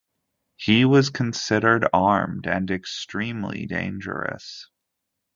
He was considered armed and extremely dangerous.